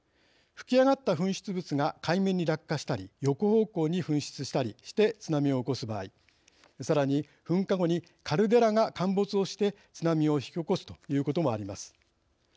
吹き上がった噴出物が海面に落下したり、横方向に噴出したりして津波を起こす場合さらに噴火後にカルデラが陥没をして津波を引き起こすということもあります。